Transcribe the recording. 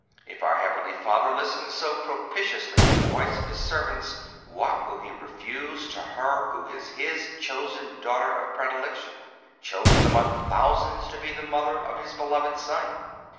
If our heavenly Father listens so propitiously to the voice of His servants, what will He refuse to her who is His chosen daughter of predilection, chosen among thousands to be the Mother of His beloved Son?